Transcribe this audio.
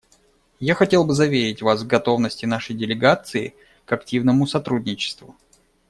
Я хотел бы заверить Вас в готовности нашей делегации к активному сотрудничеству.